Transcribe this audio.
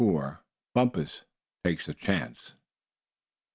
BUMPUS TAKES A CHANCE.